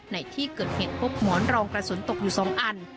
ในที่เกิดเหตุพบหมอนรองกระสุนตกอยู่๒อัน